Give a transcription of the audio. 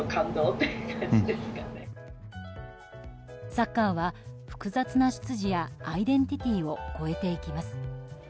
サッカーは、複雑な出自やアイデンティティーを超えていきます。